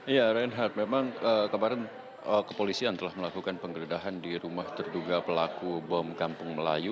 ya reinhardt memang kemarin kepolisian telah melakukan penggeledahan di rumah terduga pelaku bom kampung melayu